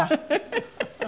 「フフフフ」